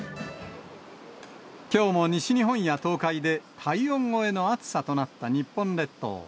きょうも西日本や東海で体温超えの暑さとなった日本列島。